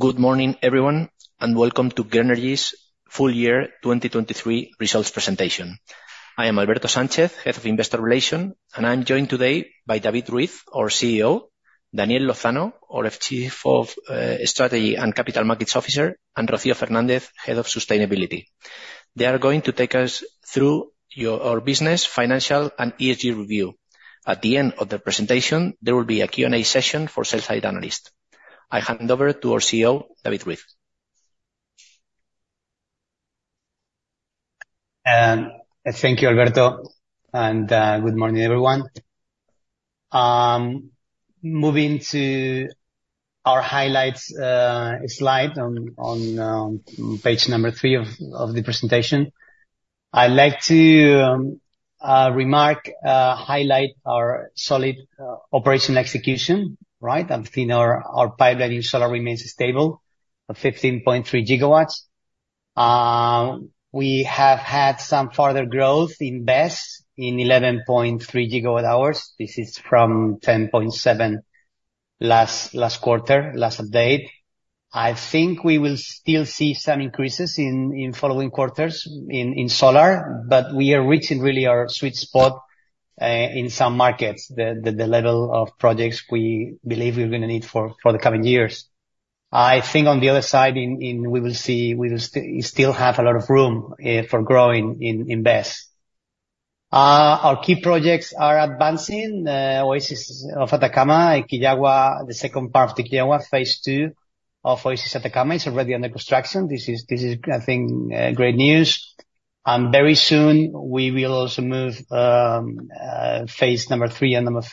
Good morning, everyone, and welcome to Grenergy's full year 2023 results presentation. I am Alberto Sánchez, Head of Investor Relations, and I'm joined today by David Ruiz, our CEO, Daniel Lozano, our Chief of Strategy and Capital Markets Officer, and Rocío Fernández, Head of Sustainability. They are going to take us through our business, financial, and ESG review. At the end of the presentation, there will be a Q&A session for sell-side analysts. I hand over to our CEO, David Ruiz. Thank you, Alberto, and good morning, everyone. Moving to our highlights, slide on page number 3 of the presentation. I'd like to remark, highlight our solid operation execution, right? I think our pipeline in solar remains stable, at 15.3 GW. We have had some further growth in BESS in 11.3 GWh. This is from 10.7 last quarter, last update. I think we will still see some increases in following quarters in solar, but we are reaching really our sweet spot in some markets, the level of projects we believe we're gonna need for the coming years. I think on the other side, we will still have a lot of room for growing in BESS. Our key projects are advancing, Oasis de Atacama, Quillagua, the second part of Quillagua, phase II of Oasis de Atacama; it's already under construction. This is, I think, great news. Very soon, we will also move phase III and IV,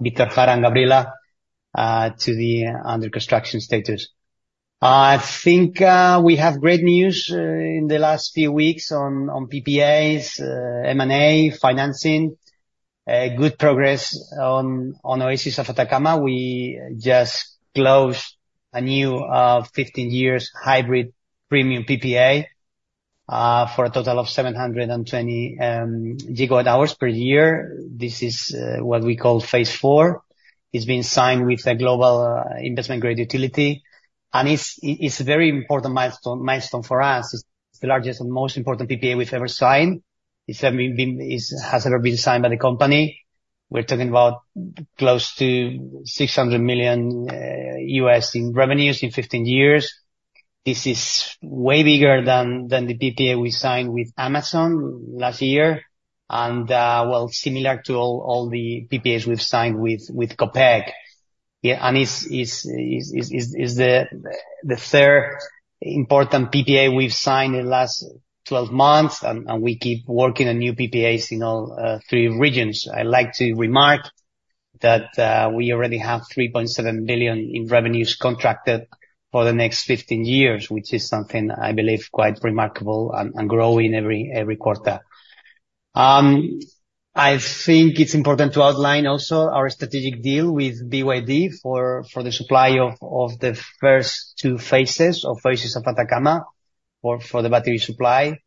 Víctor Jara and Gabriela, to the under construction status. I think, we have great news in the last few weeks on PPAs, M&A, financing, good progress on Oasis de Atacama. We just closed a new 15-year hybrid premium PPA for a total of 720 GWh per year. This is what we call phase IV. It's been signed with a global investment-grade utility, and it's a very important milestone for us. It's the largest and most important PPA we've ever signed. It's the biggest that's ever been signed by the company. We're talking about close to $600 million in revenues in 15 years. This is way bigger than the PPA we signed with Amazon last year, and well, similar to all the PPAs we've signed with Copec. Yeah, and it's the third important PPA we've signed in the last 12 months, and we keep working on new PPAs in all 3 regions. I'd like to remark that we already have 3.7 billion in revenues contracted for the next 15 years, which is something I believe quite remarkable and growing every quarter. I think it's important to outline also our strategic deal with BYD for the supply of the first two phases of Oasis de Atacama for the battery supply.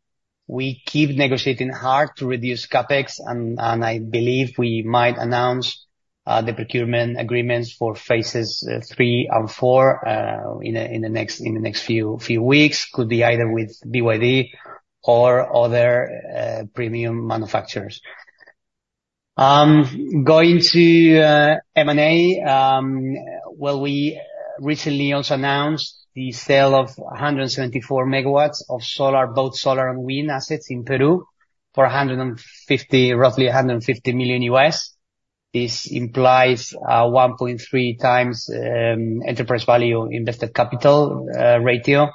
We keep negotiating hard to reduce CapEx, and I believe we might announce the procurement agreements for phases III and IV in the next few weeks. Could be either with BYD or other premium manufacturers. Going to M&A, well, we recently also announced the sale of 174 MW of solar, both solar and wind assets in Peru for roughly $150 million. This implies 1.3x enterprise value invested capital ratio.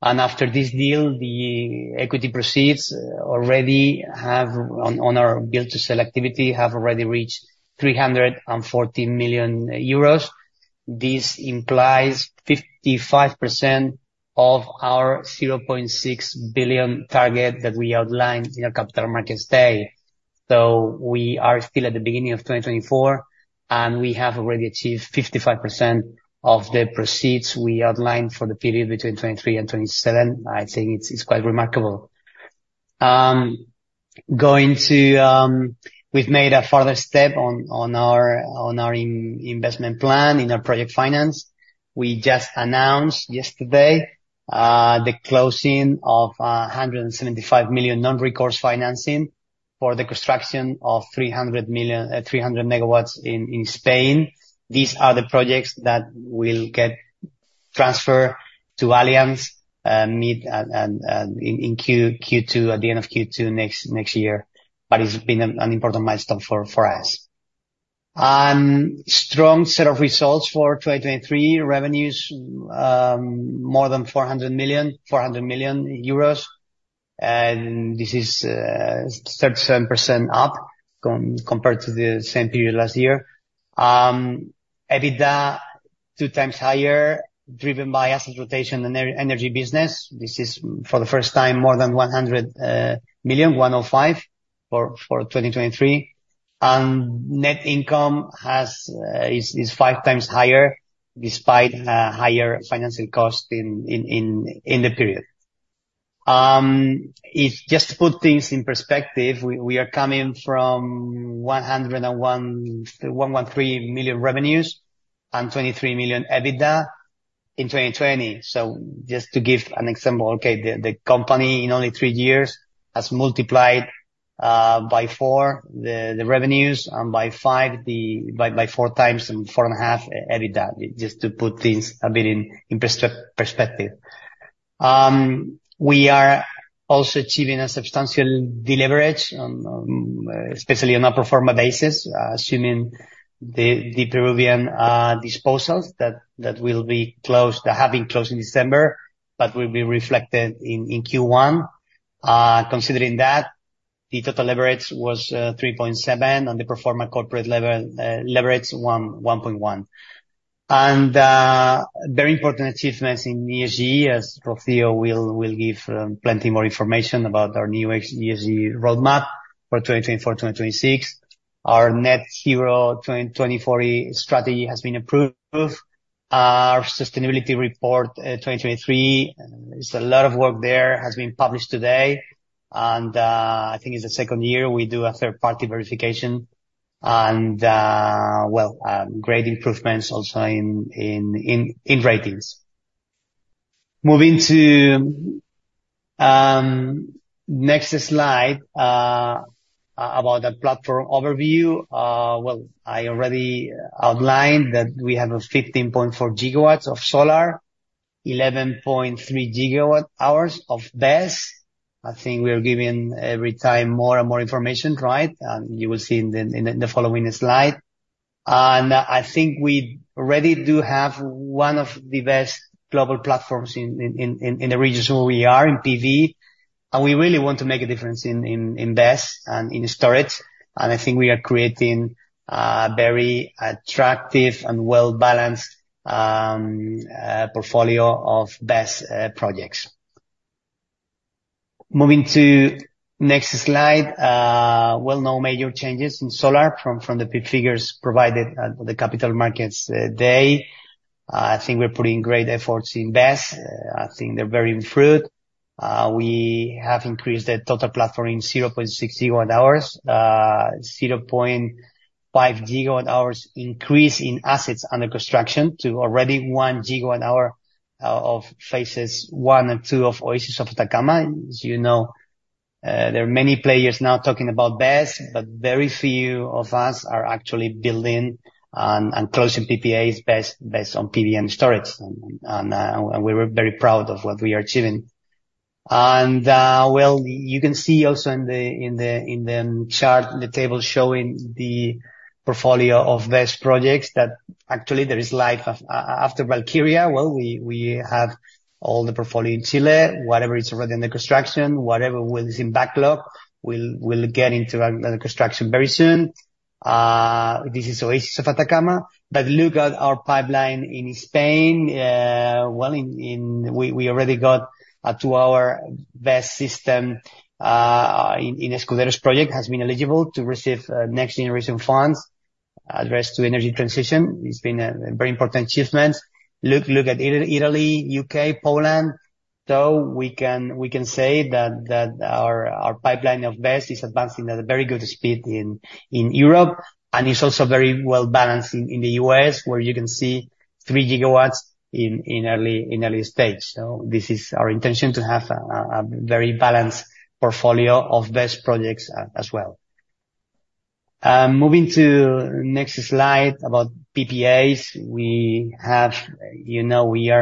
After this deal, the equity proceeds already have on, on our build-to-sell activity, have already reached 340 million euros. This implies 55% of our 0.6 billion target that we outlined in our Capital Markets Day. We are still at the beginning of 2024, and we have already achieved 55% of the proceeds we outlined for the period between 2023 and 2027. I think it's quite remarkable. Going to... We've made a further step on our investment plan, in our project finance. We just announced yesterday the closing of 175 million non-recourse financing for the construction of 300 million, 300 MW in Spain. These are the projects that will get transferred to Allianz in Q2, at the end of Q2 next year. But it's been an important milestone for us. Strong set of results for 2023. Revenues more than 400 million, and this is 37% up compared to the same period last year. EBITDA 2x higher, driven by asset rotation and energy business. This is, for the first time, more than 100 million, 105 for 2023. And net income is 5x higher, despite higher financing costs in the period. Just to put things in perspective, we are coming from 101 million-113 million revenues and 23 million EBITDA in 2020. So just to give an example, okay, the company in only three years has multiplied by 4 the revenues, and by 4x and 4.5 EBITDA, just to put things a bit in perspective. We are also achieving a substantial deleverage, especially on a pro forma basis, assuming the Peruvian disposals that have been closed in December, but will be reflected in Q1. Considering that, the total leverage was 3.7, and the pro forma corporate level leverage 1.1. Very important achievements in ESG, as Rocío will give plenty more information about our new ESG roadmap for 2024 to 2026. Our Net Zero 2040 strategy has been approved. Our sustainability report 2023, it's a lot of work there, has been published today. I think it's the second year we do a third-party verification. Well, great improvements also in ratings. Moving to next slide, about the platform overview. Well, I already outlined that we have 15.4 GW of solar, 11.3 GWh of BESS. I think we are giving every time more and more information, right? And you will see in the following slide. I think we already do have one of the best global platforms in the regions where we are in PV, and we really want to make a difference in BESS and in storage. I think we are creating a very attractive and well-balanced portfolio of BESS projects. Moving to next slide. Well, no major changes in solar from the figures provided at the Capital Markets Day. I think we're putting great efforts in BESS. I think they're bearing fruit. We have increased the total platform 0.6 GWh, 0.5 GWh increase in assets under construction to already 1 GWh of phases I and II of Oasis de Atacama. As you know, there are many players now talking about BESS, but very few of us are actually building and closing PPAs BESS on PV and storage, and we were very proud of what we are achieving. Well, you can see also in the chart, in the table showing the portfolio of BESS projects, that actually there is life after Valkyria. Well, we have all the portfolio in Chile, whatever is already under construction, whatever is in backlog, will get into under construction very soon. This is Oasis de Atacama. But look at our pipeline in Spain. Well, we already got a two-hour BESS system in Escuderos project has been eligible to receive Next Generation Funds addressed to energy transition. It's been a very important achievement. Look, look at Italy, U.K., Poland. So we can say that our pipeline of BESS is advancing at a very good speed in Europe, and it's also very well balanced in the U.S., where you can see 3 GW in early stage. So this is our intention to have a very balanced portfolio of BESS projects as well. Moving to next slide about PPAs. We have, you know, we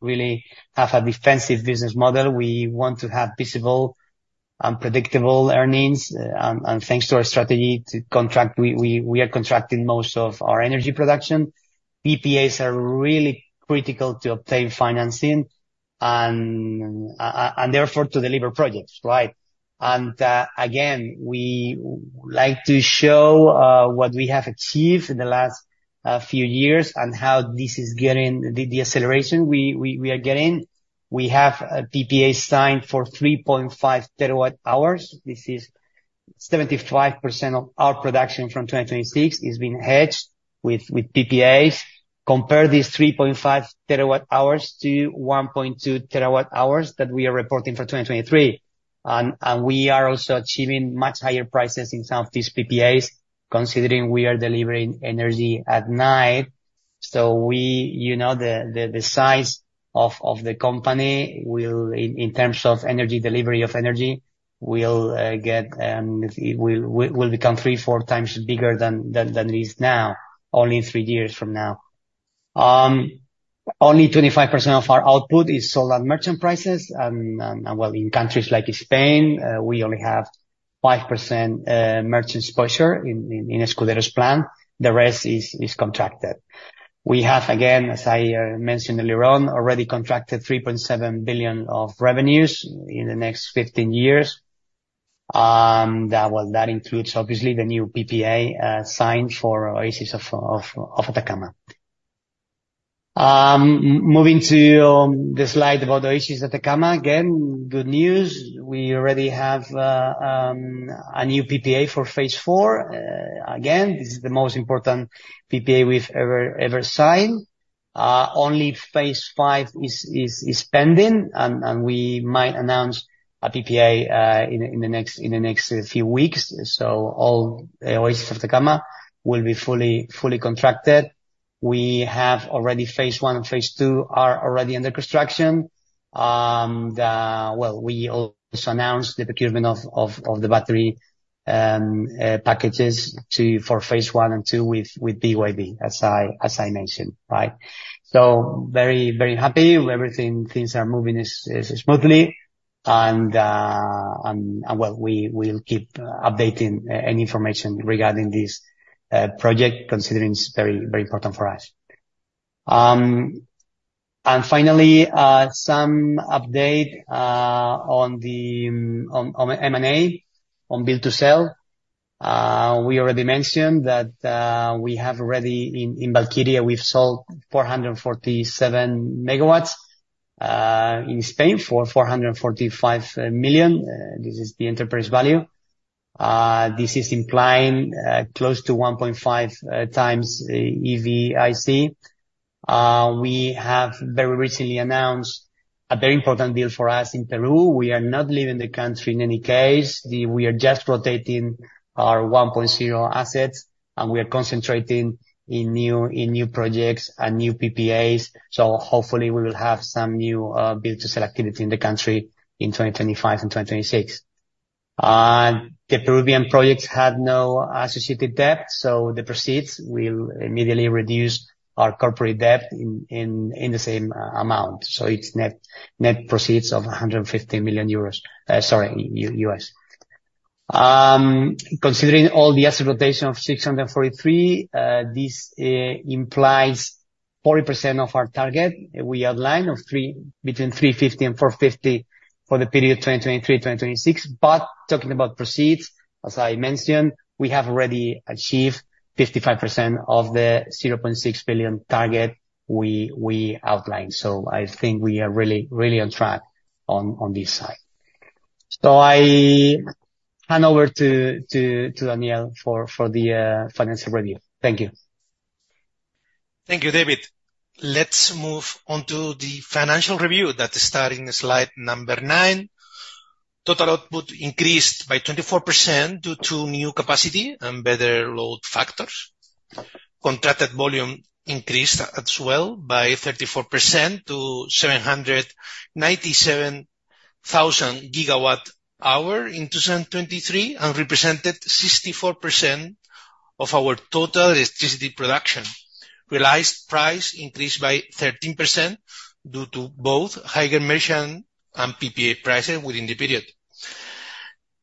really have a defensive business model. We want to have visible and predictable earnings, and thanks to our strategy to contract, we are contracting most of our energy production. PPAs are really critical to obtain financing and therefore to deliver projects, right? Again, we like to show what we have achieved in the last few years and how this is getting the acceleration we are getting. We have a PPA signed for 3.5 TWh. This is 75% of our production from 2026 is being hedged with PPAs. Compare these 3.5 TWh to 1.2 TWh that we are reporting for 2023. And we are also achieving much higher prices in some of these PPAs, considering we are delivering energy at night. So we, you know, the size of the company will, in terms of energy delivery of energy, will become 3-4x bigger than it is now, only 3 years from now. Only 25% of our output is solar merchant prices, and, well, in countries like Spain, we only have 5% merchant exposure in the Escuderos plant. The rest is contracted. We have, again, as I mentioned earlier on, already contracted 3.7 billion of revenues in the next 15 years. That, well, that includes, obviously, the new PPA signed for Oasis de Atacama. Moving to the slide about Oasis de Atacama, again, good news. We already have a new PPA for phase IV. Again, this is the most important PPA we've ever signed. Only phase five is pending, and we might announce a PPA in the next few weeks. So all phases will be fully contracted. We have already phase one and phase two are already under construction. We also announced the procurement of the battery packages for phase one and two with BYD, as I mentioned, right? So very, very happy. Everything, things are moving smoothly, and well, we will keep updating any information regarding this project, considering it's very, very important for us. And finally, some update on M&A, on build to sell. We already mentioned that we have already, in Valkyria, we've sold 447 MW in Spain for 445 million. This is the enterprise value. This is implying close to 1.5x EV/IC. We have very recently announced a very important deal for us in Peru. We are not leaving the country in any case, we are just rotating our 1.0 assets, and we are concentrating in new projects and new PPAs. So hopefully we will have some new build to sell activity in the country in 2025 and 2026. And the Peruvian projects have no associated debt, so the proceeds will immediately reduce our corporate debt in the same amount. So it's net proceeds of $150 million, sorry, US. Considering all the asset rotation of $643 million, this implies 40% of our target. We outlined between $350 million and $450 million for the period 2023-2026. But talking about proceeds, as I mentioned, we have already achieved 55% of the 0.6 billion target we outlined. So I think we are really, really on track on this side. So I hand over to Daniel for the financial review. Thank you. Thank you, David. Let's move on to the financial review that's starting on slide 9. Total output increased by 24% due to new capacity and better load factors. Contracted volume increased as well by 34% to 797,000 GWh in 2023, and represented 64% of our total electricity production. Realized price increased by 13% due to both higher merchant and PPA prices within the period.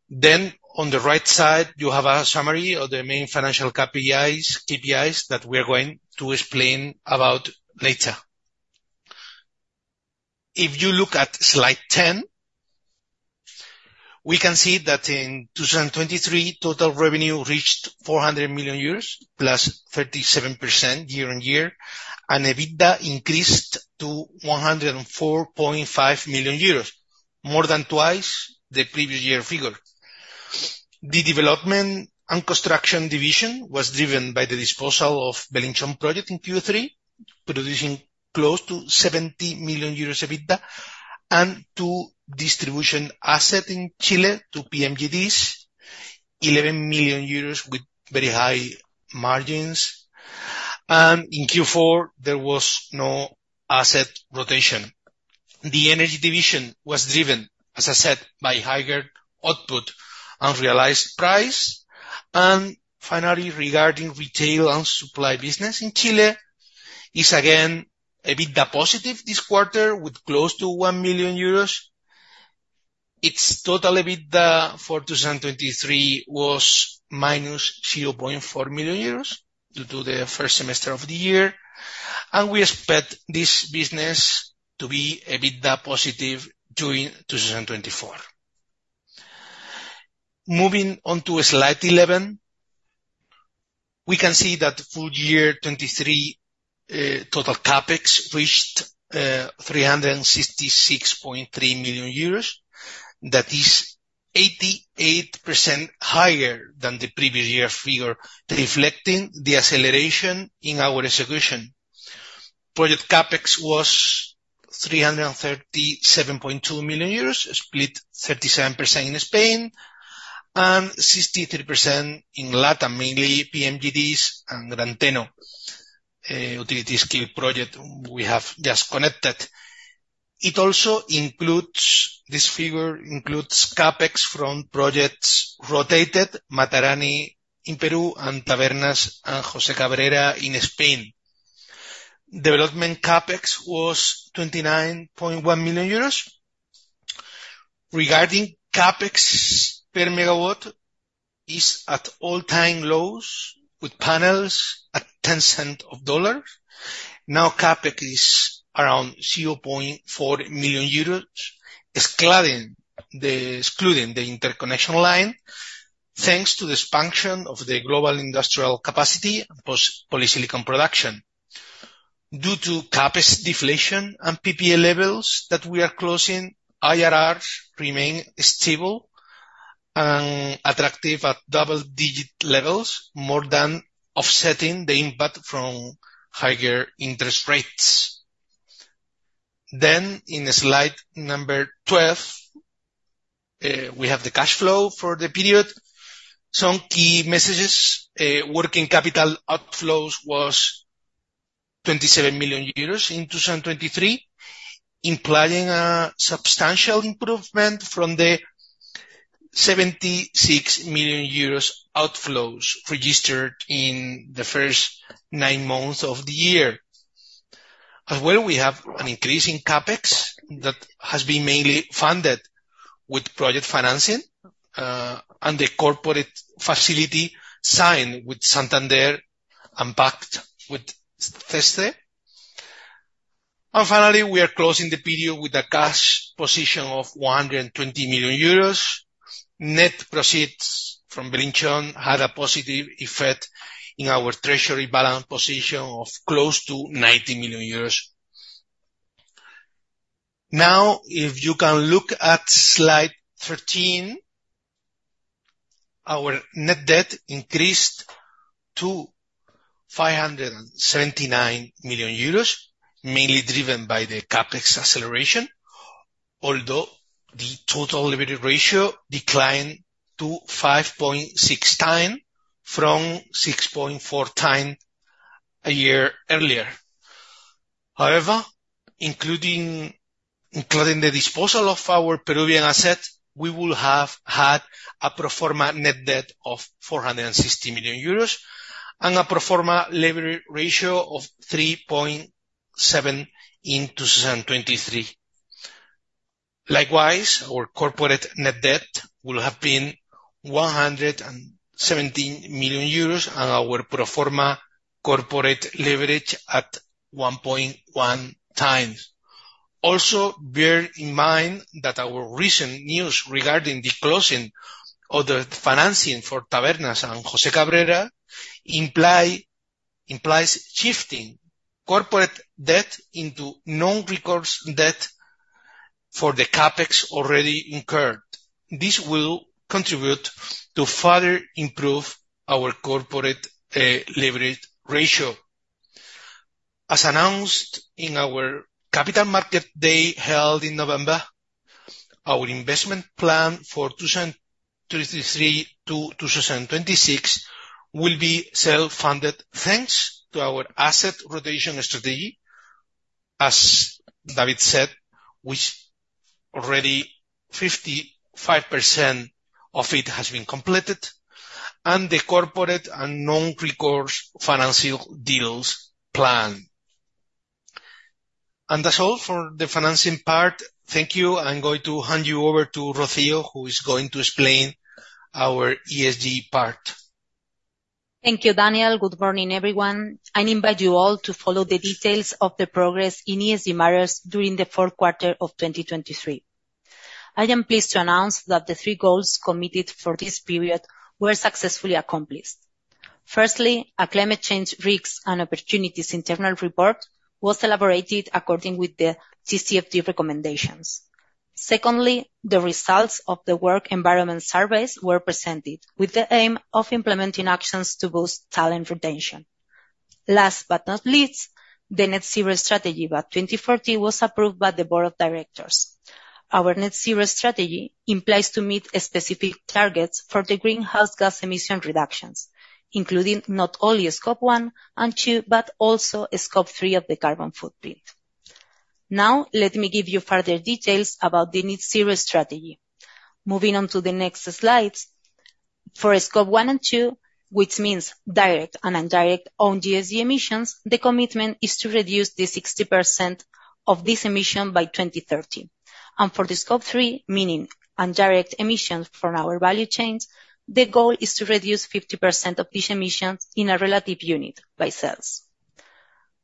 Then on the right side, you have a summary of the main financial KPIs, KPIs that we are going to explain about later. If you look at slide 10, we can see that in 2023, total revenue reached 400 million euros, +37% YoY, and EBITDA increased to 104.5 million euros, more than twice the previous year figure. The development and construction division was driven by the disposal of Belinchón project in Q3, producing close to 70 million euros EBITDA, and two distribution asset in Chile to PMGDs, 11 million euros with very high margins. In Q4, there was no asset rotation. The energy division was driven, as I said, by higher output and realized price. Finally, regarding retail and supply business in Chile, is again, a bit positive this quarter, with close to 1 million euros. Its total EBITDA for 2023 was -0.4 million euros, due to the first semester of the year, and we expect this business to be EBITDA positive during 2024. Moving on to slide 11, we can see that full year 2023 total CapEx reached 366.3 million euros. That is 88% higher than the previous year figure, reflecting the acceleration in our execution. Project CapEx was 337.2 million euros, split 37% in Spain and 63% in Latin, mainly PMGDs and Gran Teno, utility-scale project we have just connected. It also includes, this figure includes CapEx from projects rotated, Matarani in Peru and Tabernas and José Cabrera in Spain. Development CapEx was 29.1 million euros. Regarding CapEx per megawatt, is at all-time lows, with panels at 10 cents per dollar. Now CapEx is around 0.4 million euros, excluding the, excluding the interconnection line, thanks to the expansion of the global industrial capacity and plus polysilicon production. Due to CapEx deflation and PPA levels that we are closing, IRR remain stable... and attractive at double-digit levels, more than offsetting the impact from higher interest rates. Then in slide number 12, we have the cash flow for the period. Some key messages, working capital outflows was 27 million euros in 2023, implying a substantial improvement from the 76 million euros outflows registered in the first nine months of the year. As well, we have an increase in CapEx that has been mainly funded with project financing, and the corporate facility signed with Santander and backed with Erste. And finally, we are closing the period with a cash position of 120 million euros. Net proceeds from Belinchón had a positive effect in our treasury balance position of close to 90 million euros. Now, if you can look at slide 13, our net debt increased to 579 million euros, mainly driven by the CapEx acceleration, although the total leverage ratio declined to 5.6x, from 6.4x a year earlier. However, including the disposal of our Peruvian assets, we will have had a pro forma net debt of 460 million euros and a pro forma leverage ratio of 3.7 in 2023. Likewise, our corporate net debt will have been 170 million euros, and our pro forma corporate leverage at 1.1x. Also, bear in mind that our recent news regarding the closing of the financing for Tabernas and José Cabrera imply, implies shifting corporate debt into non-recourse debt for the CapEx already incurred. This will contribute to further improve our corporate leverage ratio. As announced in our Capital Market Day, held in November, our investment plan for 2023 to 2026 will be self-funded, thanks to our asset rotation strategy, as David said, which already 55% of it has been completed, and the corporate and non-recourse financial deals plan. That's all for the financing part. Thank you. I'm going to hand you over to Rocío, who is going to explain our ESG part. Thank you, Daniel. Good morning, everyone. I invite you all to follow the details of the progress in ESG matters during the fourth quarter of 2023. I am pleased to announce that the three goals committed for this period were successfully accomplished. Firstly, a climate change risks and opportunities internal report was elaborated according to the TCFD recommendations. Secondly, the results of the work environment surveys were presented, with the aim of implementing actions to boost talent retention. Last but not least, the Net Zero strategy by 2040 was approved by the board of directors. Our Net Zero strategy implies to meet specific targets for the greenhouse gas emission reductions, including not only Scope 1 and 2, but also Scope 3 of the carbon footprint. Now, let me give you further details about the Net Zero strategy. Moving on to the next slides. For Scope 1 and 2, which means direct and indirect own ESG emissions, the commitment is to reduce 60% of this emission by 2030. For Scope 3, meaning indirect emissions from our value chains, the goal is to reduce 50% of these emissions in a relative unit by sales.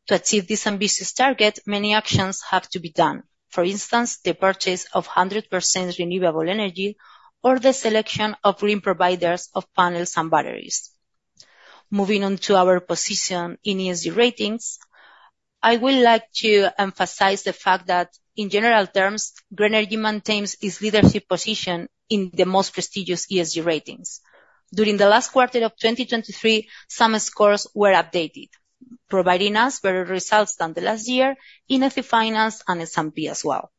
To achieve this ambitious target, many actions have to be done. For instance, the purchase of 100% renewable energy, or the selection of green providers of panels and batteries. Moving on to our position in ESG ratings, I would like to emphasize the fact that, in general terms, Grenergy maintains its leadership position in the most prestigious ESG ratings. During the last quarter of 2023, some scores were updated, providing us better results than the last year in EthiFinance and S&P as well.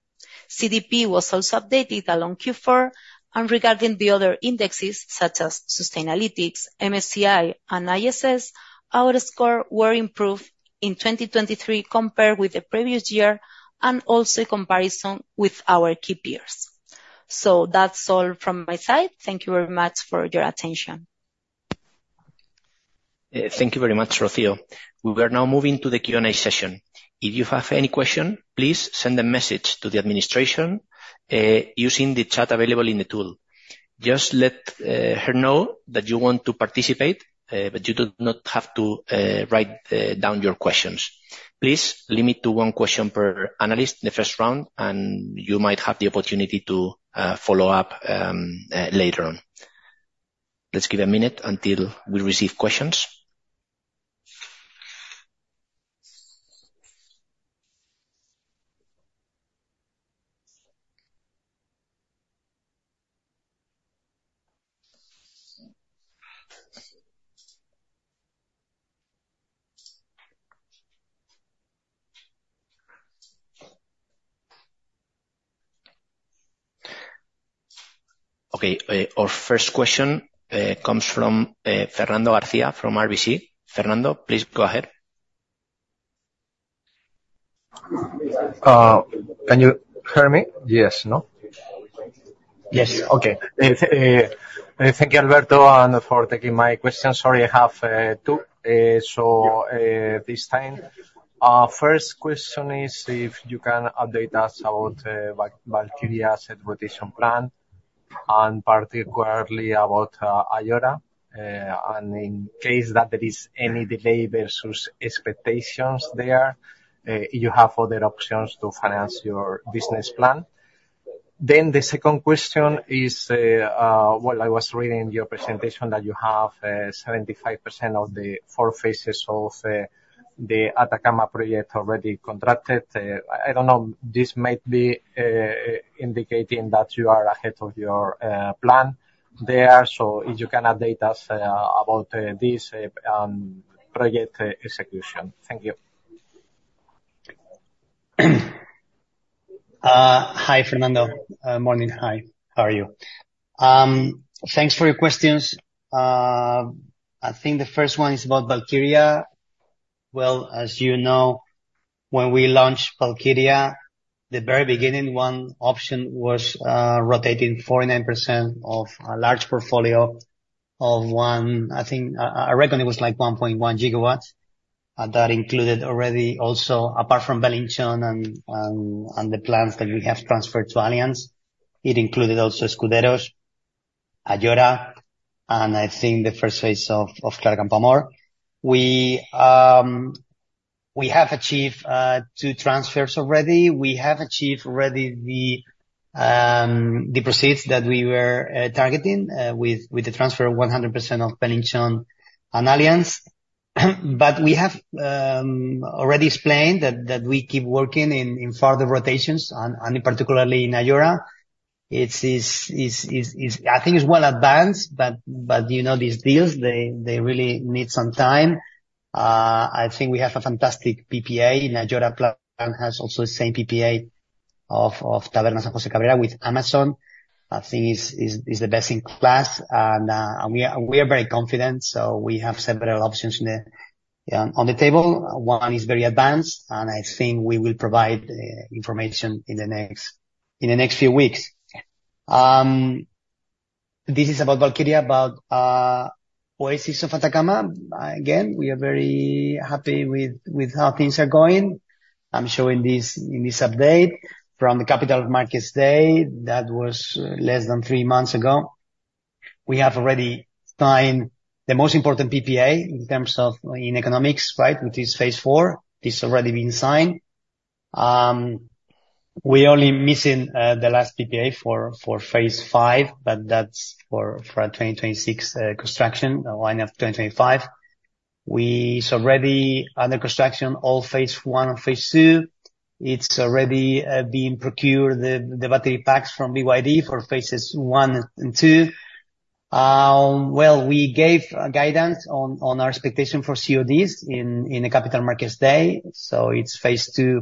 CDP was also updated along Q4, and regarding the other indexes, such as Sustainalytics, MSCI, and ISS, our score were improved in 2023 compared with the previous year, and also in comparison with our key peers. So that's all from my side. Thank you very much for your attention. Thank you very much, Rocío. We are now moving to the Q&A session. If you have any question, please send a message to the administration using the chat available in the tool. Just let her know that you want to participate, but you do not have to write down your questions. Please limit to one question per analyst in the first round, and you might have the opportunity to follow up later on. Let's give a minute until we receive questions. Okay, our first question comes from Fernando García from RBC. Fernando, please go ahead. Can you hear me? Yes, no? Yes. Okay. Thank you, Alberto, and for taking my question. Sorry, I have two, so- Yeah... this time. First question is if you can update us about Valkyria asset rotation plan, and particularly about Ayora. And in case that there is any delay versus expectations there, you have other options to finance your business plan? Then the second question is, well, I was reading your presentation, that you have 75% of the 4 phases of the Atacama project already contracted. I don't know, this might be indicating that you are ahead of your plan there. So if you can update us about this project execution. Thank you. Hi, Fernando. Morning. Hi, how are you? Thanks for your questions. I think the first one is about Valkyria. Well, as you know, when we launched Valkyria, the very beginning, one option was rotating 49% of a large portfolio of one. I think I reckon it was like 1.1 GW. And that included already also, apart from Belinchón and the plants that we have transferred to Allianz, it included also Escuderos, Ayora, and I think the first phase of Clara Campoamor. We have achieved two transfers already. We have achieved already the proceeds that we were targeting with the transfer of 100% of Belinchón and Allianz. But we have already explained that we keep working in further rotations, and particularly in Ayora. It is, I think it's well advanced, but you know, these deals, they really need some time. I think we have a fantastic PPA, and Ayora plant has also the same PPA of Tabernas José Cabrera with Amazon. I think it is the best in class. And we are very confident, so we have several options on the table. One is very advanced, and I think we will provide information in the next few weeks. This is about Valkyria. About Oasis de Atacama, again, we are very happy with how things are going. I'm showing this in this update from the Capital Markets Day. That was less than three months ago. We have already signed the most important PPA in terms of, in economics, right, which is phase IV. It's already been signed. We're only missing the last PPA for phase V, but that's for our 2026 construction line of 2025. We're already under construction, all phase I and phase II. It's already being procured, the battery packs from BYD for phases I and II. Well, we gave guidance on our expectation for CODs in the Capital Markets Day. So it's phase II,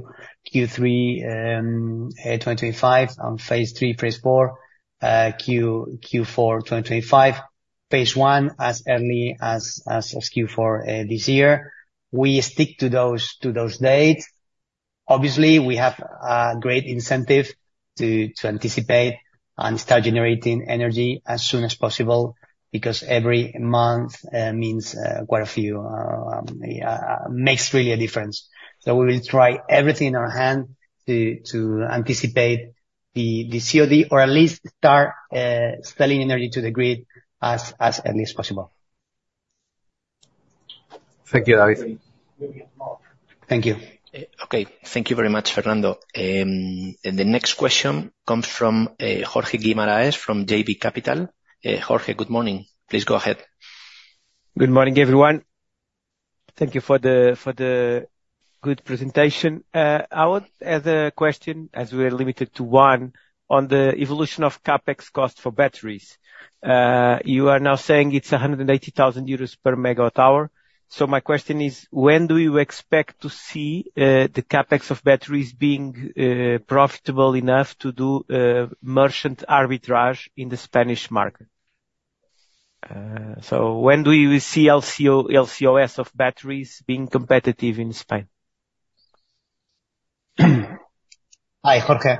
Q3 2025, and phase III, phase IV, Q4 2025. Phase I, as early as Q4 this year. We stick to those dates. Obviously, we have a great incentive to anticipate and start generating energy as soon as possible, because every month means quite a few makes really a difference. So we will try everything in our hand to anticipate the COD, or at least start selling energy to the grid as early as possible. Thank you, David. Thank you. Okay. Thank you very much, Fernando. The next question comes from Jorge Guimarães from JB Capital. Jorge, good morning. Please go ahead. Good morning, everyone. Thank you for the good presentation. I would have a question, as we are limited to one, on the evolution of CapEx cost for batteries. You are now saying it's 180,000 euros per MWh, so my question is: When do you expect to see the CapEx of batteries being profitable enough to do merchant arbitrage in the Spanish market? So when do you see LCOS of batteries being competitive in Spain? Hi, Jorge.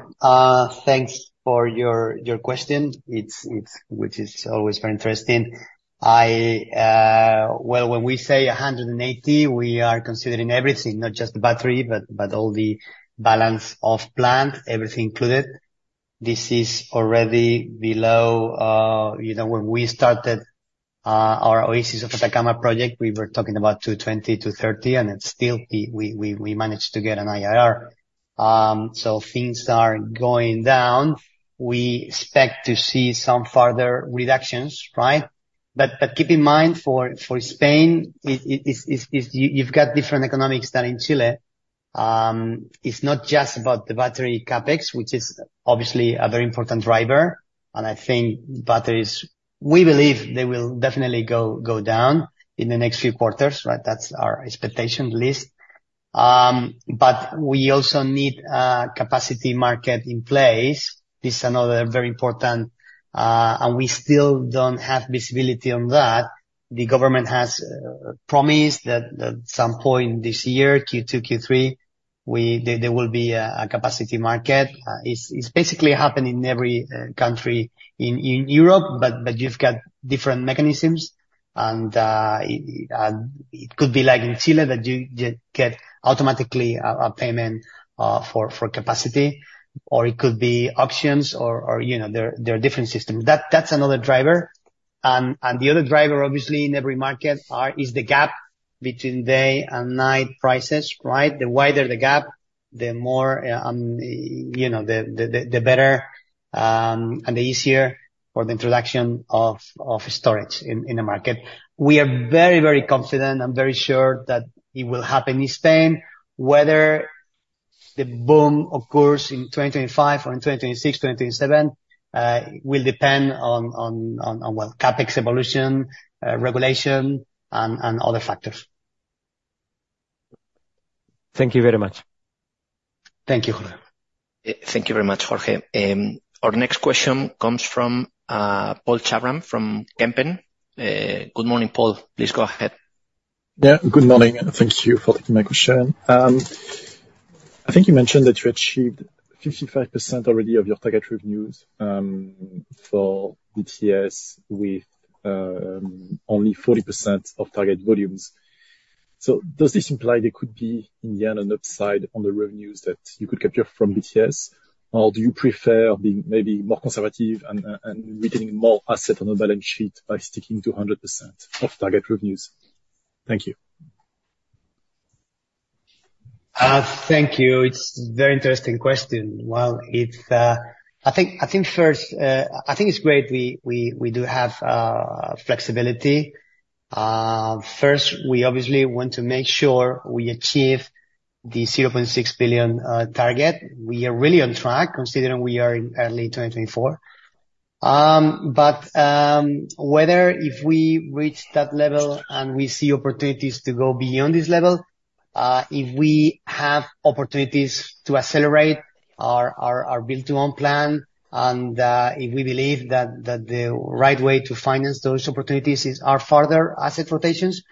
Thanks for your question. It's, which is always very interesting. Well, when we say $180, we are considering everything, not just the battery, but all the balance of plant, everything included. This is already below, you know, when we started our Oasis de Atacama project, we were talking about $220, $230, and it's still, we managed to get an IRR. So things are going down. We expect to see some further reductions, right? But keep in mind, for Spain, it's, you've got different economics than in Chile. It's not just about the battery CapEx, which is obviously a very important driver, and I think batteries, we believe they will definitely go down in the next few quarters, right? That's our expectation, at least. But we also need a capacity market in place. This is another very important, and we still don't have visibility on that. The government has promised that, at some point this year, Q2, Q3, there will be a capacity market. It's basically happening in every country in Europe, but you've got different mechanisms, and it could be like in Chile, that you get automatically a payment for capacity, or it could be auctions or, you know, there are different systems. That's another driver. And the other driver, obviously, in every market is the gap between day and night prices, right? The wider the gap, the more, you know, the better, and the easier for the introduction of storage in the market. We are very, very confident, I'm very sure that it will happen in Spain. Whether the boom occurs in 2025 or in 2026, 2027, will depend on, well, CapEx evolution, regulation, and other factors. Thank you very much. Thank you, Jorge. Thank you very much, Jorge. Our next question comes from Paul Sarram from Kempen. Good morning, Paul. Please go ahead. Yeah, good morning, and thank you for taking my question. I think you mentioned that you achieved 55% already of your target revenues for BTS, with only 40% of target volumes. So does this imply there could be, in the end, an upside on the revenues that you could get your from BTS? Or do you prefer being maybe more conservative and and retaining more asset on the balance sheet by sticking to 100% of target revenues? Thank you. Thank you. It's a very interesting question. Well, I think first, I think it's great we do have flexibility. First, we obviously want to make sure we achieve the 0.6 billion target. We are really on track, considering we are in early 2024. But whether if we reach that level and we see opportunities to go beyond this level, if we have opportunities to accelerate our build-to-own plan, and if we believe that the right way to finance those opportunities is our further asset rotations,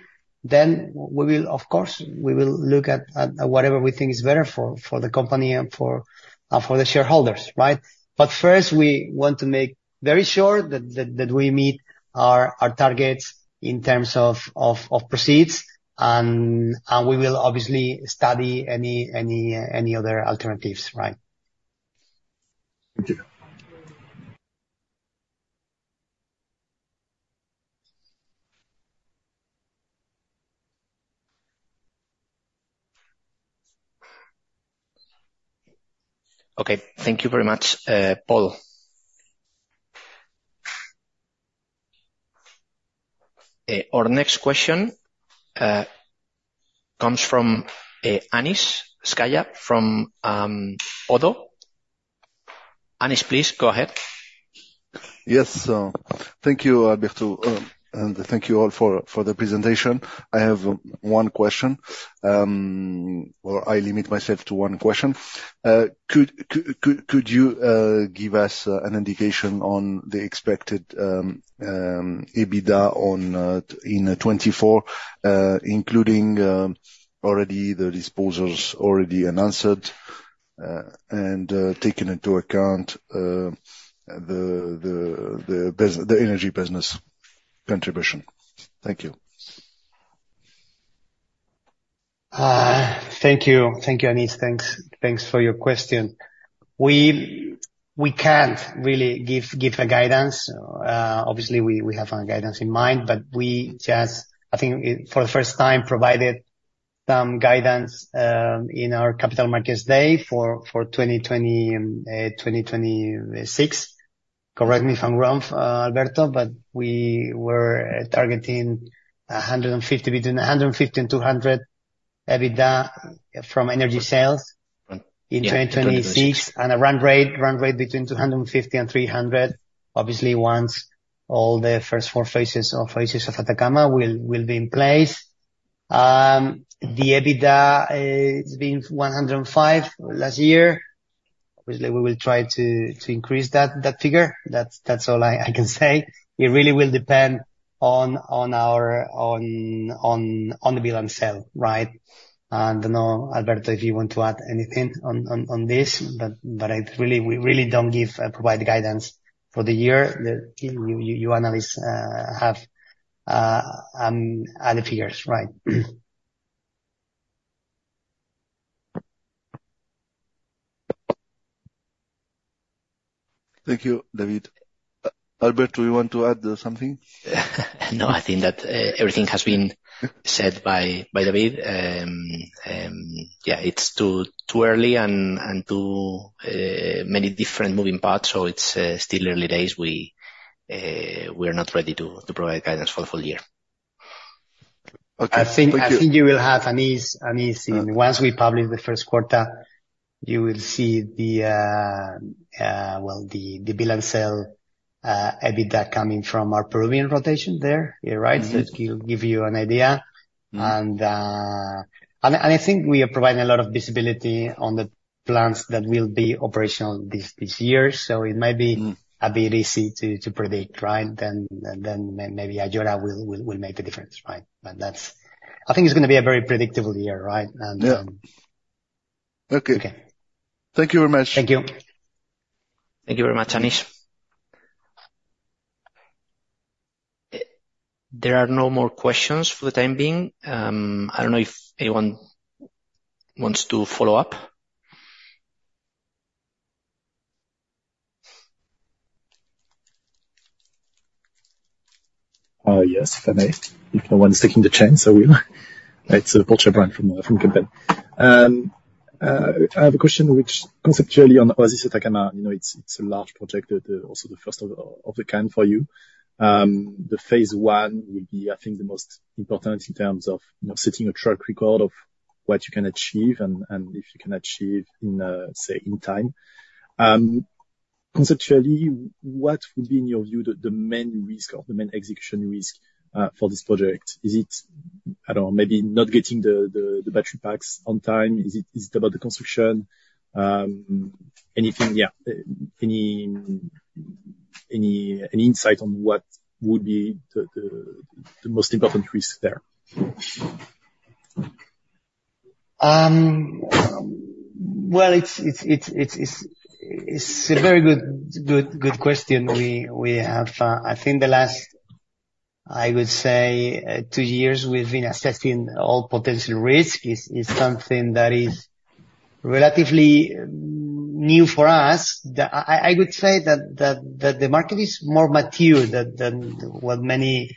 then we will, of course, we will look at whatever we think is better for the company and for the shareholders, right? But first, we want to make very sure that we meet our targets in terms of proceeds, and we will obviously study any other alternatives. Right? Thank you. Okay. Thank you very much, Paul. Our next question comes from Anis Zgaya, from Oddo. Anis, please go ahead. Yes, so thank you, Alberto, and thank you all for the presentation. I have one question. Well, I limit myself to one question. Could you give us an indication on the expected EBITDA in 2024, including already the disposals already announced, and taking into account the energy business contribution? Thank you. Thank you. Thank you, Anis. Thanks. Thanks for your question. We can't really give a guidance. Obviously, we have a guidance in mind, but we just, I think, for the first time, provided some guidance in our Capital Markets Day for 2026. Correct me if I'm wrong, Alberto, but we were targeting 150, between 150 and 200 EBITDA from energy sales- Right. in 2026, and a run rate between 250 million-300 million, obviously, once all the first four phases of Atacama will be in place. The EBITDA, it's been 105 million last year. Obviously, we will try to increase that figure. That's all I can say. It really will depend on our build and sell, right? I don't know, Alberto, if you want to add anything on this, but we really don't provide guidance for the year. You analysts have other peers, right? Thank you, David. Alberto, you want to add something? No, I think that everything has been said by David. Yeah, it's too early and too many different moving parts, so it's still early days. We're not ready to provide guidance for the full year.... I think you will have an easy, once we publish the first quarter, you will see the, well, the build and sell EBITDA coming from our Peruvian rotation there, yeah, right? Mm-hmm. It will give you an idea. Mm. And I think we are providing a lot of visibility on the plans that will be operational this year. So it might be- Mm. A bit easy to predict, right? Then maybe Ayora will make a difference, right? But that's. I think it's gonna be a very predictable year, right? Yeah. Okay. Okay. Thank you very much. Thank you. Thank you very much, Anis. There are no more questions for the time being. I don't know if anyone wants to follow up. Yes, if I may, if no one's taking the chance, so it's Paul Sarram from Kempen. I have a question which conceptually on Oasis de Atacama, you know, it's a large project that also the first of the kind for you. The phase I will be, I think, the most important in terms of, you know, setting a track record of what you can achieve and if you can achieve in say, in time. Conceptually, what would be, in your view, the main risk or the main execution risk for this project? Is it, I don't know, maybe not getting the battery packs on time? Is it about the construction? Anything, yeah, any insight on what would be the most important risk there? Well, it's a very good question. We have, I think the last, I would say, two years, we've been assessing all potential risk. Is something that is relatively new for us. I would say that the market is more mature than what many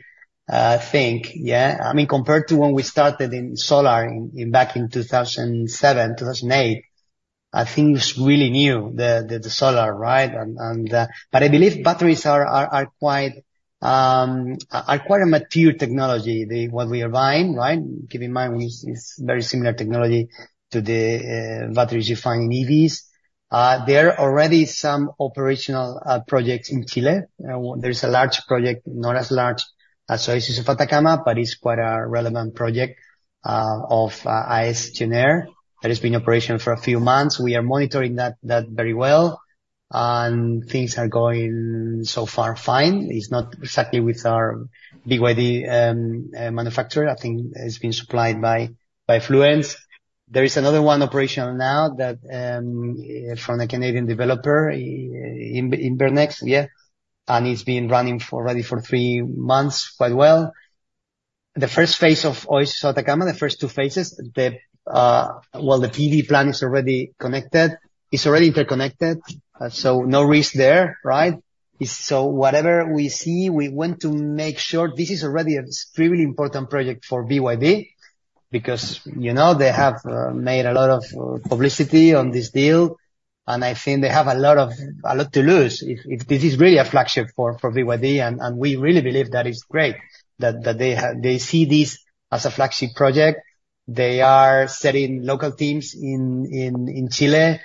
think. Yeah. I mean, compared to when we started in solar back in 2007, 2008, I think it's really new, the solar, right? But I believe batteries are quite a mature technology, what we are buying, right? Keep in mind, this is very similar technology to the batteries you find in EVs. There are already some operational projects in Chile. There's a large project, not as large as Oasis de Atacama, but it's quite a relevant project, of AES Gener, that has been in operation for a few months. We are monitoring that, that very well, and things are going so far fine. It's not exactly with our BYD manufacturer. I think it's been supplied by Fluence. There is another one operational now that, from a Canadian developer, Innergex, yeah, and it's been running already for 3 months, quite well. The first phase of Oasis de Atacama, the first 2 phases, well, the PV plant is already connected. It's already interconnected, so no risk there, right? So whatever we see, we want to make sure this is already an extremely important project for BYD because, you know, they have made a lot of publicity on this deal, and I think they have a lot of, a lot to lose if, if... This is really a flagship for BYD, and we really believe that it's great that they see this as a flagship project. They are setting local teams in Chile.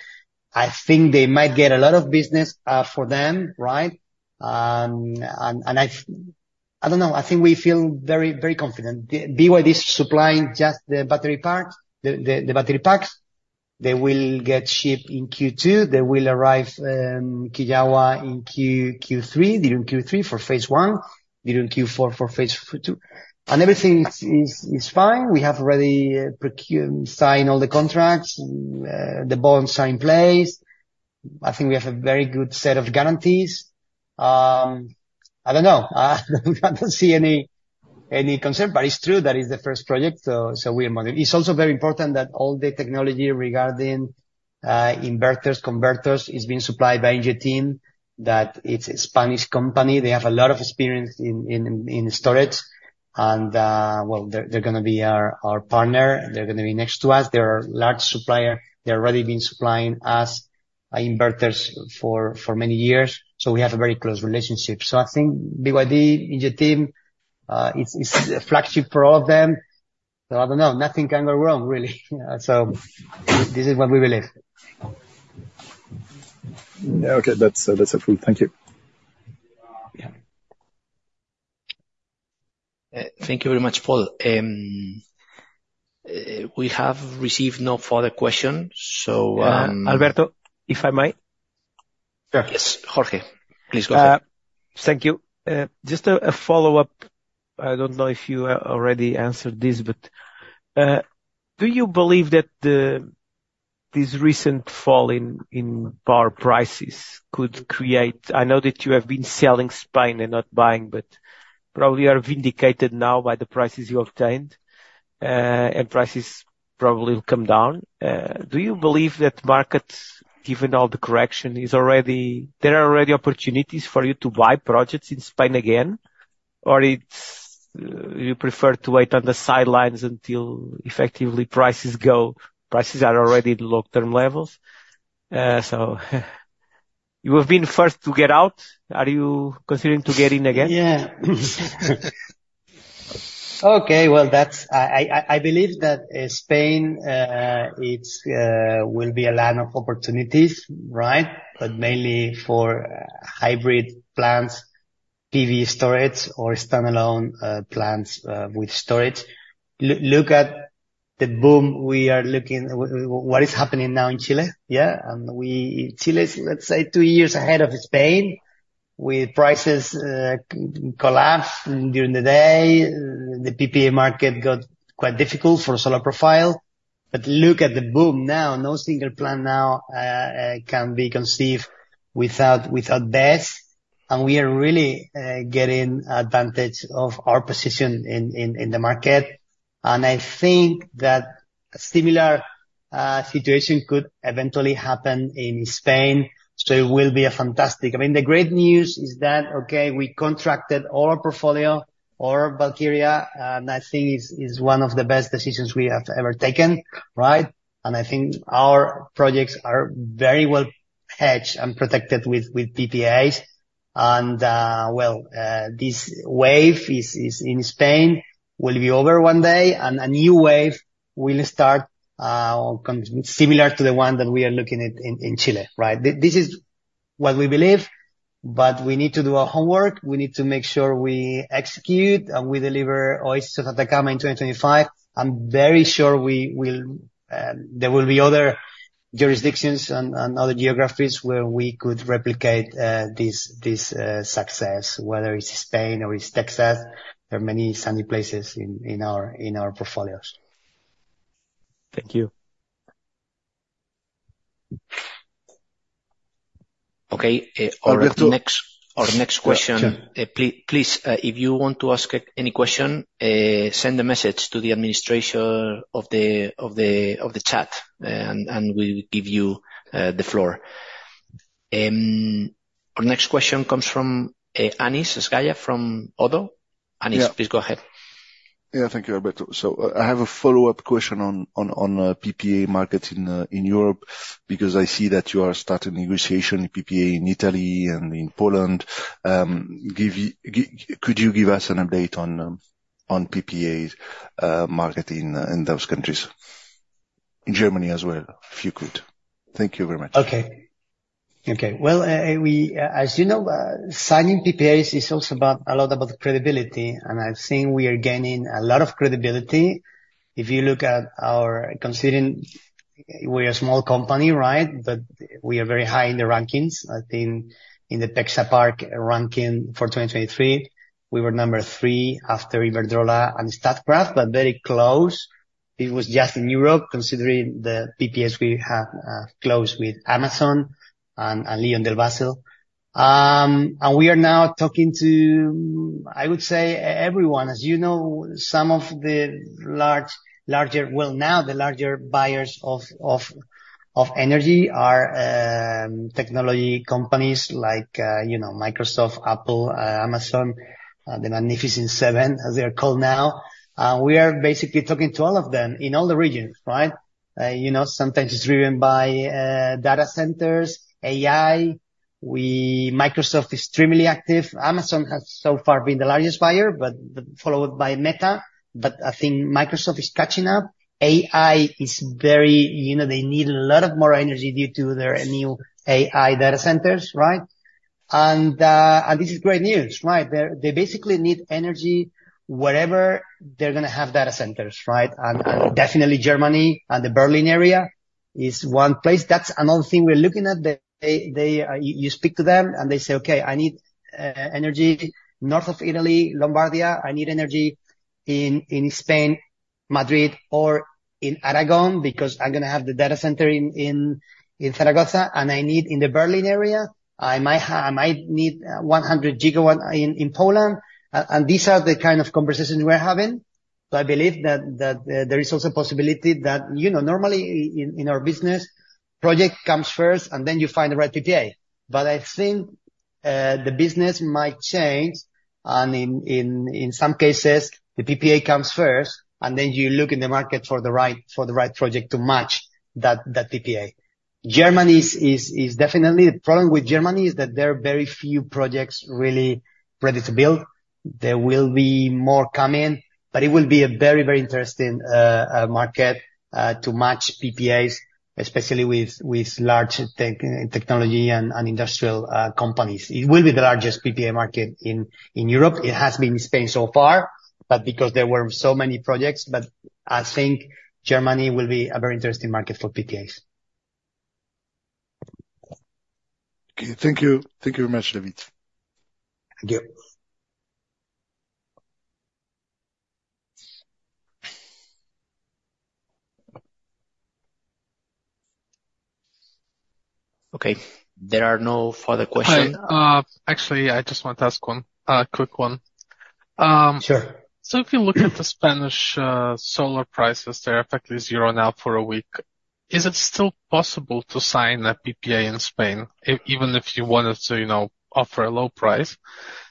I think they might get a lot of business for them, right? And I don't know, I think we feel very, very confident. BYD is supplying just the battery pack, the battery packs. They will get shipped in Q2. They will arrive Quillagua in Q3, during Q3 for phase I, during Q4 for phase II. Everything is fine. We have already procured and signed all the contracts, the bonds are in place. I think we have a very good set of guarantees. I don't know. I don't see any concern, but it's true that it is the first project, so we are monitoring. It's also very important that all the technology regarding inverters, converters, is being supplied by Ingeteam, that it's a Spanish company. They have a lot of experience in storage, and, well, they're gonna be our partner. They're gonna be next to us. They're a large supplier. They've already been supplying us inverters for many years, so we have a very close relationship. So I think BYD, Ingeteam, it's a flagship for all of them. So I don't know, nothing can go wrong, really. This is what we believe. Okay, that's, that's approved. Thank you. Yeah. Thank you very much, Paul. We have received no further questions. Sánchez, if I may? Sure. Yes, Jorge, please go ahead. Thank you. Just a follow-up. I don't know if you already answered this, but do you believe that this recent fall in power prices could create... I know that you have been selling Spain and not buying, but probably are vindicated now by the prices you obtained, and prices probably will come down. Do you believe that markets, given all the correction, is already, there are already opportunities for you to buy projects in Spain again? Or it's you prefer to wait on the sidelines until effectively prices go- prices are already at long-term levels? So ... You have been first to get out. Are you considering to get in again? Yeah. Okay, well, that's—I believe that Spain will be a land of opportunities, right? But mainly for hybrid plants, PV storage, or standalone plants with storage. Look at the boom—what is happening now in Chile, yeah? And Chile is, let's say, two years ahead of Spain, with prices collapse during the day, the PPA market got quite difficult for solar profile. But look at the boom now. No single plant now can be conceived without BESS. And we are really getting advantage of our position in the market. I think that a similar situation could eventually happen in Spain, so it will be a fantastic—I mean, the great news is that, okay, we contracted all our portfolio, all of Iberia, and I think it's one of the best decisions we have ever taken, right? And I think our projects are very well hedged and protected with PPAs. Well, this wave is in Spain, will be over one day, and a new wave will start or come similar to the one that we are looking at in Chile, right? This is what we believe, but we need to do our homework. We need to make sure we execute, and we deliver Oasis de Atacama in 2025. I'm very sure we will, there will be other jurisdictions and other geographies where we could replicate this success, whether it's Spain or it's Texas. There are many sunny places in our portfolios. Thank you. Okay, our next- Yeah. Our next question. Sure. Please, if you want to ask any question, send a message to the administration of the chat, and we'll give you the floor. Our next question comes from Anis Zgaya from Oddo. Yeah. Anish, please go ahead. Yeah. Thank you, Alberto. So, I have a follow-up question on PPA market in Europe, because I see that you are starting negotiation PPA in Italy and in Poland. Could you give us an update on PPAs market in those countries? In Germany as well, if you could. Thank you very much. Okay. Okay. Well, we as you know signing PPAs is also about a lot about credibility, and I've seen we are gaining a lot of credibility. Considering we're a small company, right? But we are very high in the rankings. I think in the Pexapark ranking for 2023, we were number 3 after Iberdrola and Statkraft, but very close. It was just in Europe, considering the PPAs we have closed with Amazon and LyondellBasell. And we are now talking to, I would say, everyone. As you know, some of the large, larger. Well, now, the larger buyers of energy are technology companies like, you know, Microsoft, Apple, Amazon, the Magnificent Seven, as they are called now. We are basically talking to all of them in all the regions, right? You know, sometimes it's driven by data centers, AI. Microsoft is extremely active. Amazon has so far been the largest buyer, but followed by Meta, but I think Microsoft is catching up. AI is very, you know, they need a lot of more energy due to their new AI data centers, right? And, and this is great news, right? They, they, you speak to them, and they say, "Okay, I need, energy north of Italy, Lombardia. I need energy in, in Spain, Madrid, or in Aragón, because I'm gonna have the data center in, in, in Zaragoza, and I need in the Berlin area. I might need, 100 GW in, in Poland." And these are the kind of conversations we're having. So I believe that there is also a possibility that, you know, normally in our business, project comes first, and then you find the right PPA. But I think the business might change, and in some cases, the PPA comes first, and then you look in the market for the right project to match that PPA. Germany is definitely... The problem with Germany is that there are very few projects really ready to build. There will be more coming, but it will be a very interesting market to match PPAs, especially with large technology and industrial companies. It will be the largest PPA market in Europe. It has been in Spain so far, but because there were so many projects, but I think Germany will be a very interesting market for PPAs. Okay. Thank you. Thank you very much, David. Thank you. Okay, there are no further questions. Hi, actually, I just want to ask one, a quick one. Sure. So if you look at the Spanish solar prices, they're effectively zero now for a week. Is it still possible to sign a PPA in Spain, even if you wanted to, you know, offer a low price?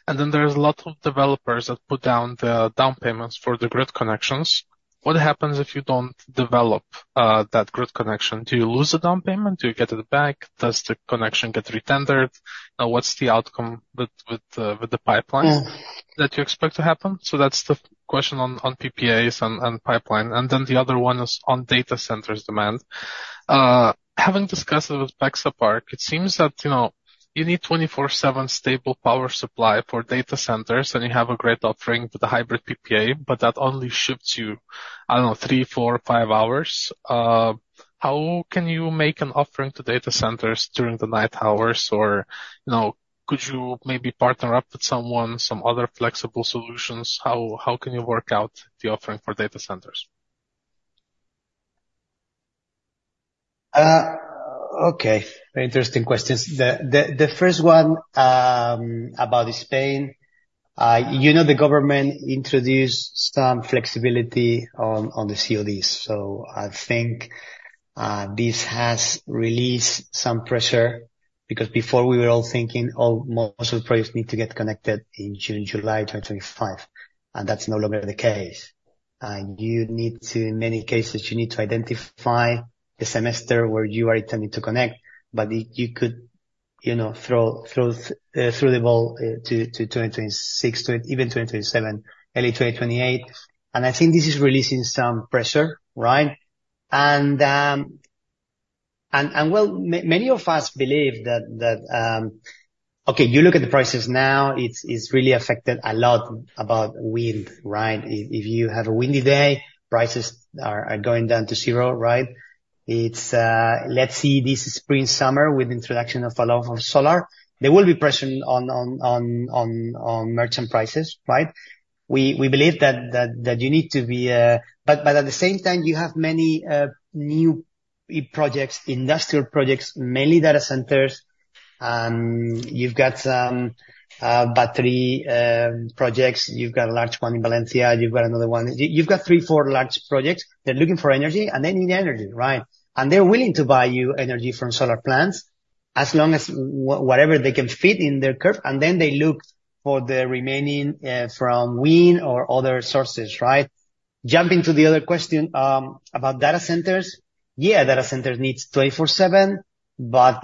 And then there's a lot of developers that put down the down payments for the grid connections. What happens if you don't develop that grid connection? Do you lose the down payment? Do you get it back? Does the connection get re-tendered? Now, what's the outcome with the pipelines? Mm. that you expect to happen? So that's the question on PPAs and pipeline. And then the other one is on data centers demand. Having discussed it with Pexapark, it seems that, you know, you need 24/7 stable power supply for data centers, and you have a great offering with the hybrid PPA, but that only ships you, I don't know, 3, 4, 5 hours. How can you make an offering to data centers during the night hours? Or, you know, could you maybe partner up with someone, some other flexible solutions? How can you work out the offering for data centers? Okay, very interesting questions. The first one, about Spain, you know, the government introduced some flexibility on the CODs. So I think this has released some pressure, because before we were all thinking, oh, most of the projects need to get connected in June, July 2025, and that's no longer the case. And you need to, in many cases, you need to identify the semester where you are intending to connect, but you could, you know, throw the ball to 2026, even 2027, early 2028. And I think this is releasing some pressure, right? And, well, many of us believe that... Okay, you look at the prices now, it's really affected a lot about wind, right? If you have a windy day, prices are going down to zero, right? It's, let's see, this spring, summer, with introduction of a lot of solar. There will be pressure on merchant prices, right? We believe that you need to be... But at the same time, you have many new e-projects, industrial projects, mainly data centers. You've got some battery projects. You've got a large one in Valencia, you've got another one. You've got 3-4 large projects. They're looking for energy, and they need energy, right? And they're willing to buy you energy from solar plants as long as whatever they can fit in their curve, and then they look for the remaining from wind or other sources, right? Jumping to the other question about data centers. Yeah, data centers needs 24/7, but,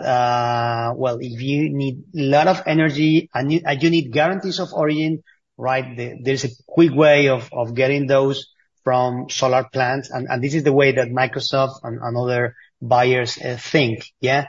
well, if you need a lot of energy and you need guarantees of origin, right, there's a quick way of getting those from solar plants, and this is the way that Microsoft and other buyers think, yeah?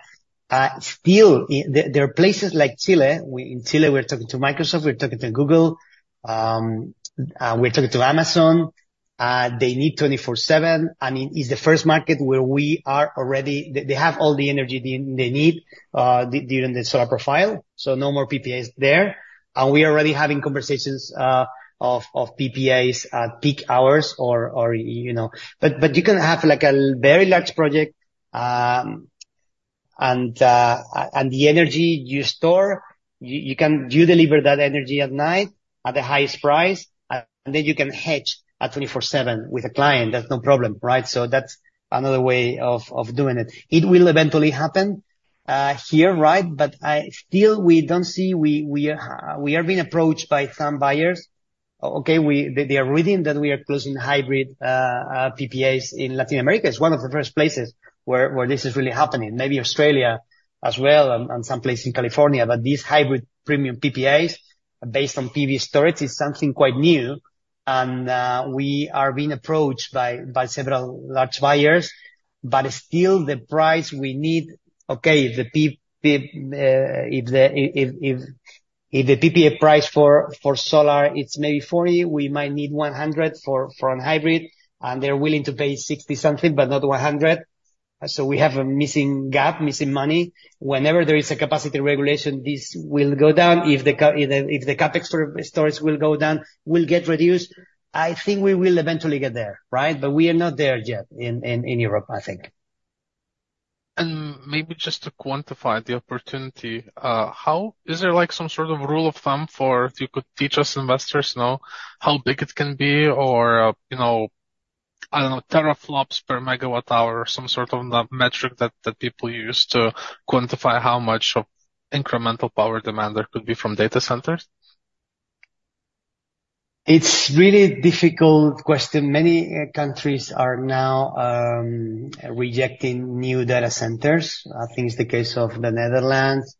Still, there are places like Chile. In Chile, we're talking to Microsoft, we're talking to Google, we're talking to Amazon. They need 24/7, and it's the first market where we are already... They have all the energy they need during the solar profile, so no more PPAs there. And we are already having conversations of PPAs at peak hours or, you know. But you can have, like, a very large project, and the energy you store, you can... You deliver that energy at night at the highest price, and then you can hedge at 24/7 with a client, that's no problem, right? So that's another way of doing it. It will eventually happen here, right? But still we don't see—we are being approached by some buyers. Okay, they are reading that we are closing hybrid PPAs in Latin America. It's one of the first places where this is really happening. Maybe Australia as well, and some places in California. But these hybrid premium PPAs, based on PV storage, is something quite new, and we are being approached by several large buyers, but still the price we need... Okay, if the PPA price for solar, it's maybe 40, we might need 100 for a hybrid, and they're willing to pay 60-something, but not 100. So we have a missing gap, missing money. Whenever there is a capacity regulation, this will go down. If the CapEx storage will go down, will get reduced. I think we will eventually get there, right? But we are not there yet in Europe, I think. Maybe just to quantify the opportunity, how is there, like, some sort of rule of thumb for, if you could teach us investors know how big it can be, or, you know, I don't know, teraflops per megawatt hour or some sort of metric that people use to quantify how much incremental power demand there could be from data centers? It's really difficult question. Many countries are now rejecting new data centers. I think it's the case of the Netherlands.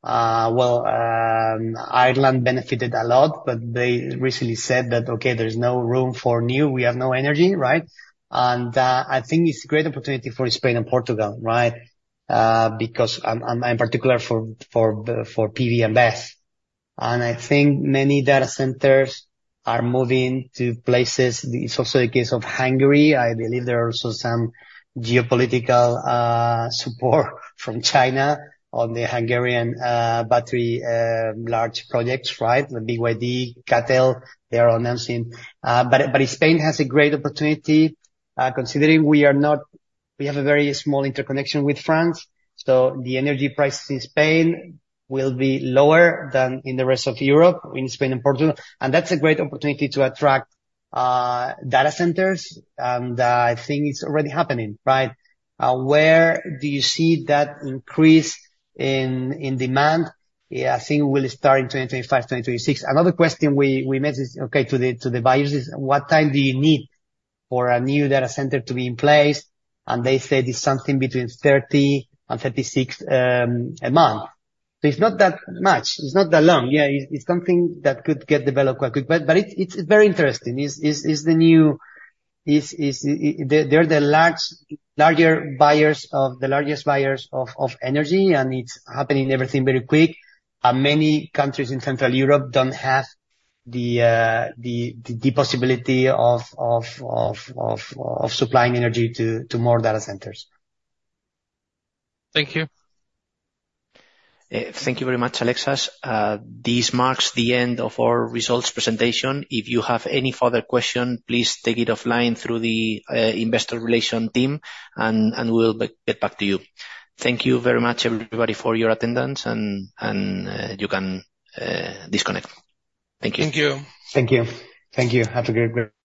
Well, Ireland benefited a lot, but they recently said that, "Okay, there's no room for new. We have no energy," right? And I think it's a great opportunity for Spain and Portugal, right? Because, in particular for PV and BESS. And I think many data centers are moving to places. It's also the case of Hungary. I believe there are also some geopolitical support from China on the Hungarian battery large projects, right? The BYD, CATL, they are announcing. But Spain has a great opportunity, considering we have a very small interconnection with France, so the energy prices in Spain will be lower than in the rest of Europe, in Spain and Portugal. And that's a great opportunity to attract data centers, and I think it's already happening, right? Where do you see that increase in demand? Yeah, I think it will start in 2025, 2026. Another question we made is, okay, to the buyers: What time do you need for a new data center to be in place? And they said it's something between 30-36 months. So it's not that much, it's not that long. Yeah, it's something that could get developed quite quick. But it's very interesting. They're the largest buyers of energy, and it's happening everything very quick. And many countries in Central Europe don't have the possibility of supplying energy to more data centers. Thank you. Thank you very much, Alexis. This marks the end of our results presentation. If you have any further question, please take it offline through the Investor Relations team, and we'll get back to you. Thank you very much, everybody, for your attendance, and you can disconnect. Thank you. Thank you. Thank you. Thank you. Have a great day.